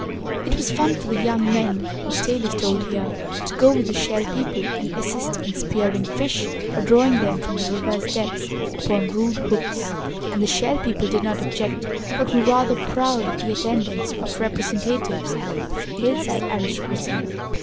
It was fun for the young men whose tale is told here to go with the Shell People and assist in spearing fish or drawing them from the river's depths upon rude hooks, and the Shell People did not object, but were rather proud of the attendance of representatives of the hillside aristocracy.